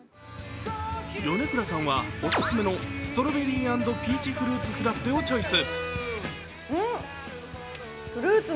米倉さんはオススメのストロベリー＆ピーチフルーツフラッペをチョイス。